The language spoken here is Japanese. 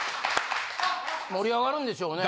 盛り上がるんでしょうね？